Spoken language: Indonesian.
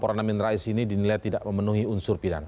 amin rais ini dinilai tidak memenuhi unsur pidan